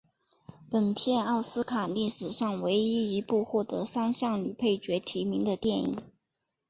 本片奥斯卡历史上唯一一部获得三项女配角提名的电影。